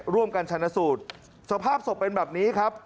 ร่วมกันชนะสูตรสภาพศพเป็นแบบนี้ครับ